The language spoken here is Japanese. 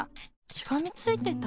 しがみついてた？